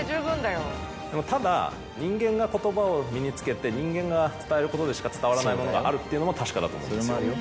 でもただ人間が言葉を身に付けて人間が伝えることでしか伝わらないものがあるというのも確かだと思うんですよ。